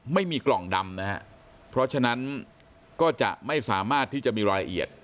ไม่มีกล่องดำนะฮะเพราะฉะนั้นก็จะไม่สามารถที่จะมีรายละเอียด